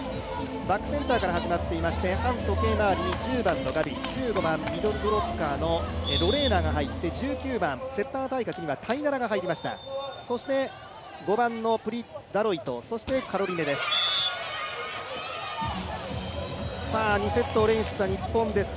バックセンターから始まっていまして反時計回りに１０番のガビ、１５番、ミドルブロッカーのロレーナが入って、１９番、セッター対角にはタイナラが入りました、５番のプリ・ダロイト、そしてカロリネです。